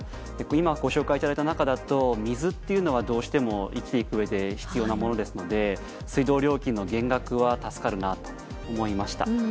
今紹介していただいた中でも水というのは、どうしても生きていくうえで必要なものですので水道料金の減額は助かるなと思いました。